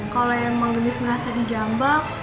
kalau emang gendis merasa di jambak